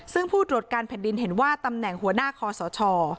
ซึ่งผู้ตรวจการแผ่นดินเห็นว่าตำแหน่งหัวหน้าคอสช